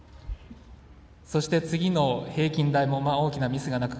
そして次の平均台も大きなミスがなく